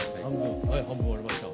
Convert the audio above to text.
はい半分割りました。